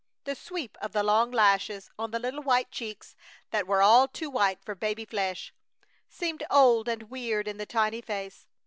The sweep of the long lashes on the little white cheeks, that were all too white for baby flesh, seemed old and weird in the tiny face.